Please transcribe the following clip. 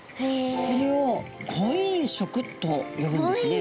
これを婚姻色と呼ぶんですね。